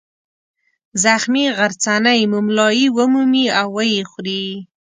زخمي غرڅنۍ مُملایي ومومي او ویې خوري.